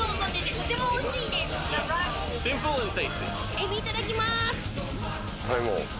エビいただきます！